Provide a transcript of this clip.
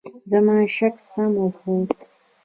زما شک سم وخوت .